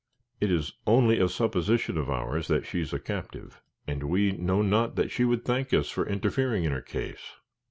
It is only a supposition of ours that she is a captive, and we know not that she would thank us for interfering in her case."